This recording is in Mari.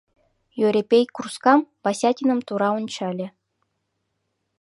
— Йӧрепей курскам Васятиным тура ончале.